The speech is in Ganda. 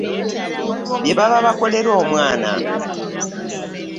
Bye baba bakolera omwana .